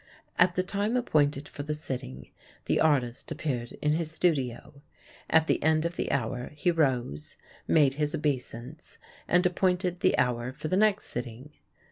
At the time appointed for the sitting the artist appeared in his studio. At the end of the hour he rose, made his obeisance, and appointed the hour for the next sitting.